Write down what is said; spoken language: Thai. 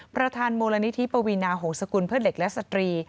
ประธานมูลนิธิปวีนาหงษกุลเพื่อเด็กและสตรี